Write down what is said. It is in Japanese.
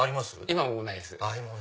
今はもうないです。